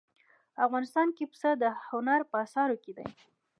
افغانستان کې پسه د هنر په اثار کې دي.